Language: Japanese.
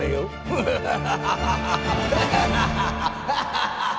ハハハハハ！